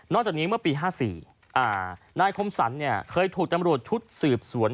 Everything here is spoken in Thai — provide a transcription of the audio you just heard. นอกจากนี้เมื่อปี๑๙๕๔นายคมสันเคยถูกตำรวจชุดสืบสวน